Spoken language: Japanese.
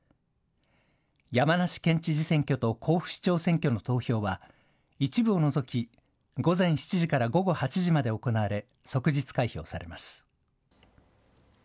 山梨県知事選挙と甲府市長選挙の投票は、一部を除き、午前７時から午後８時まで行われ、即日開票されます。